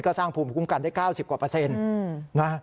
ก็สร้างภูมิคุ้มกันได้๙๐กว่าเปอร์เซ็นต์นะ